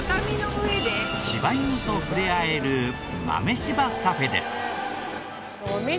柴犬と触れ合える豆柴カフェです。